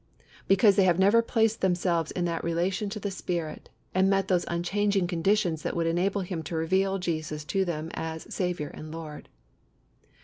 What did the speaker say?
Because they have never placed themselves in that relation to the Spirit, and met those unchanging conditions that would enable Him to reveal Jesus to them as Saviour and Lord.